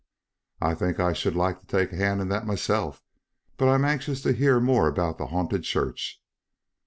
"I think I should like to take a hand in that myself. But I am anxious to hear more about the haunted church."